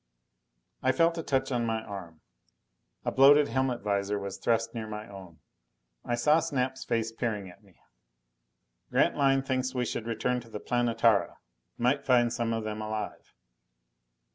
I felt a touch on my arm. A bloated helmet visor was thrust near my own. I saw Snap's face peering at me. "Grantline thinks we should return to the Planetara. Might find some of them alive."